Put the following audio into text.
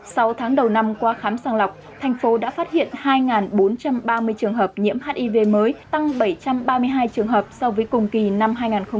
sau tháng đầu năm qua khám sàng lọc thành phố đã phát hiện hai bốn trăm ba mươi trường hợp nhiễm hiv mới tăng bảy trăm ba mươi hai trường hợp so với cùng kỳ năm hai nghìn một mươi chín